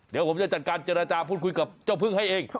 เดี๋ยวผมจะจัดการเจรจาพูดคุยกับเจ้าพึ่งให้เอง